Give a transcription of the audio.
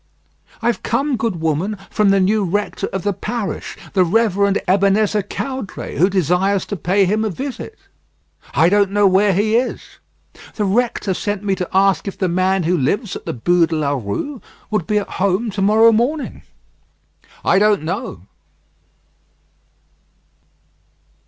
"I've come, good woman, from the new rector of the parish, the Reverend Ebenezer Caudray, who desires to pay him a visit." "I don't know where he is." "The rector sent me to ask if the man who lives at the Bû de la Rue would be at home to morrow morning." "I don't know."